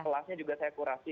kelasnya juga saya kurasi